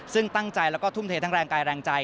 ซึ่งตั้งใจแล้วก็ทุ่มเททั้งแรงกายแรงใจ